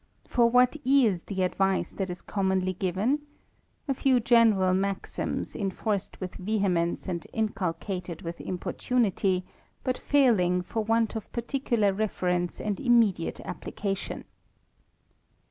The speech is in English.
For .l!dl8tis_the. advice that is commonly given? A few general i gaxim s, enforced witli vehemence and inculcated with importunity, but failing for want of particular reference and imm ediate application.